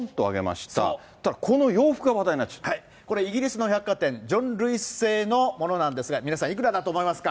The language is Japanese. したらこの洋服が話題になっちゃこれ、イギリスの百貨店、ジョン・ルイス製のものなんですが、皆さん、いくらだと思いますか？